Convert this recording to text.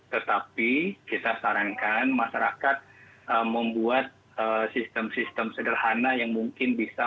tetapi kita sarankan masyarakat membuat sistem sistem sederhana yang mungkin bisa